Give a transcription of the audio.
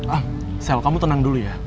ah sel kamu tenang dulu ya